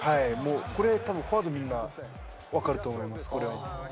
これ、フォワードのみんな、分かると思います、これは。